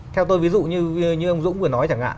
theo tôi ví dụ như ông dũng vừa nói chẳng hạn